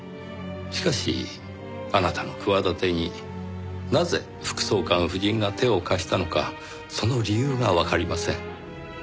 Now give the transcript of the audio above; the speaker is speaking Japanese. しかしあなたの企てになぜ副総監夫人が手を貸したのかその理由がわかりません。